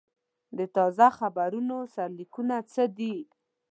د تازه خبرونو سرلیکونه څه دي؟